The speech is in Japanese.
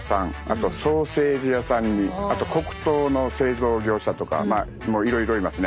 あとソーセージ屋さんにあと黒糖の製造業者とかいろいろいますね。